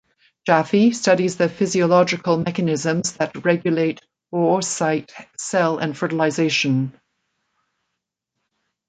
Jaffe studies the physiological mechanisms that regulate oocyte cell and fertilisation.